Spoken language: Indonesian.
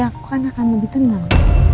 aku kan akan lebih tenang